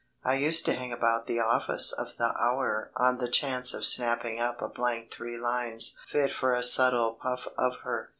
I used to hang about the office of the Hour on the chance of snapping up a blank three lines fit for a subtle puff of her.